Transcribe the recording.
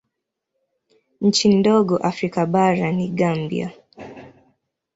Nchi ndogo Afrika bara ni Gambia.